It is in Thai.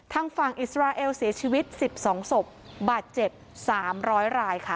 ทางฝั่งอิสราเอลเสียชีวิต๑๒ศพบาดเจ็บ๓๐๐รายค่ะ